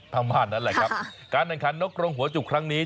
ประมาณนั้นแหละครับการแห่งขันนก